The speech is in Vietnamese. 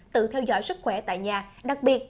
tự theo dõi sức khỏe tại nhà đặc biệt